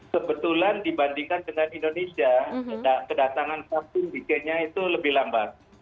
kebetulan dibandingkan dengan indonesia kedatangan vaksin di kenya itu lebih lambat